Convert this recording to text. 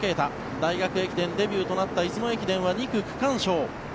大学駅伝デビューとなった出雲駅伝では２区区間賞。